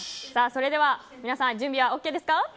それでは皆さん準備はＯＫですか。